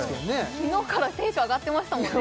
昨日からテンション上がってましたもんね